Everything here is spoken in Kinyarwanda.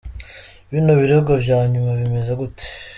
Bino birego vya nyuma bimeze gute?.